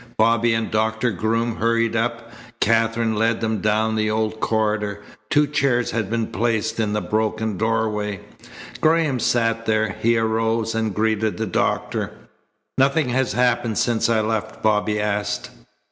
Bobby and Doctor Groom hurried up. Katherine led them down the old corridor. Two chairs had been placed in the broken doorway. Graham sat there. He arose and greeted the doctor. "Nothing has happened since I left?" Bobby asked.